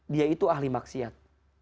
dia itu ahli maksiat